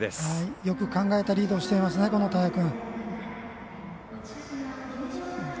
よく考えたリードをしています、田屋君。